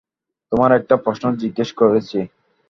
তোমায় একটা প্রশ্ন জিজ্ঞেস করেছি।